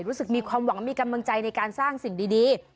รู้สึกมีความหวังมีกำลังใจในการสร้างสิ่งดี